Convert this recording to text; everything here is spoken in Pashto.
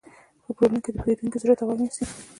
ښه پلورونکی د پیرودونکي زړه ته غوږ نیسي.